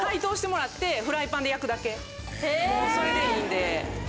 もうそれでいいんで。